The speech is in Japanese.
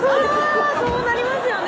そうなりますよね